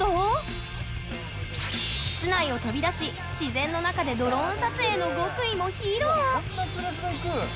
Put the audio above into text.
室内を飛び出し自然の中でドローン撮影の極意も披露！